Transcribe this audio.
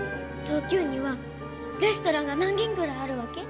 東京にはレストランが何軒ぐらいあるわけ？